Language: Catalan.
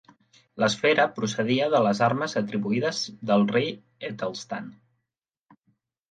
L'esfera procedia de les armes atribuïdes del rei Etelstan.